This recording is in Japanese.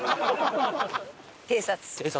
偵察！